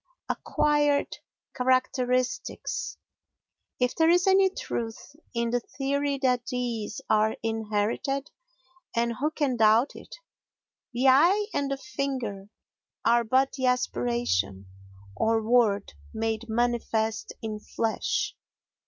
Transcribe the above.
Acquired Characteristics If there is any truth in the theory that these are inherited—and who can doubt it?—the eye and the finger are but the aspiration, or word, made manifest in flesh.